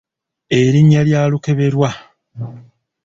Erinnya lya Lukeberwa.